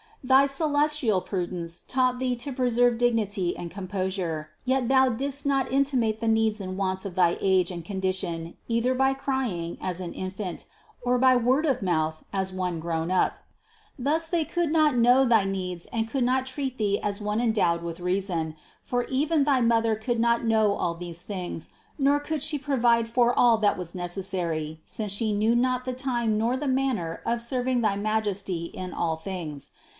Thy celestial prudence taught Thee to preserve dignity and composure, yet Thou didst not intimate the wants and needs of thy age and condition either by crying, as an infant, or by word of mouth, as one grown up. Thus they could not know thy needs and could not treat Thee as one endowed with reason; for even thy mother could not know all these things, nor could she provide for all that was necessary, since she knew not the time nor the manner of serving thy Ma jesty in all things.